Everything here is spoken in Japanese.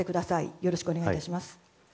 よろしくお願いします。